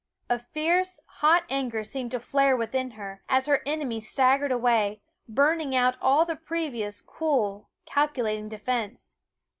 A fierce, hot anger seemed to flare within her, as her enemy staggered away, burning out all the previous cool, cal culating defense.